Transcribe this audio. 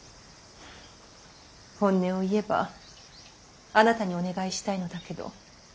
本音を言えばあなたにお願いしたいのだけど。